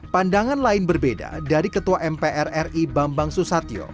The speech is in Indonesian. pandangan lain berbeda dari ketua mpr ri bambang susatyo